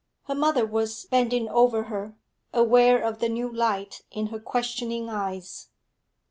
Her mother was bending over her, aware of the new light in her questioning eyes.